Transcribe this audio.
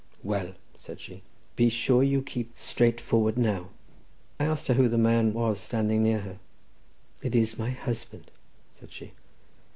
"Well," said she, "be sure you keep straight forward now." I asked her who the man was standing near her. "It is my husband," said she.